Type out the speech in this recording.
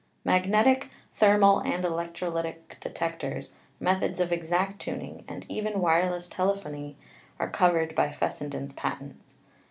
Magnetic, thermal and electrolytic detectors, methods of exact tuning, and even wireless telephony, are covered by Fessenden's patents.